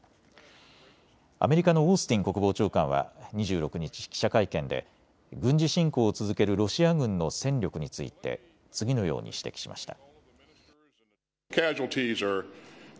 アメリカのオースティン国防長官は２６日、記者会見で軍事侵攻を続けるロシア軍の戦力について次のように指摘しました。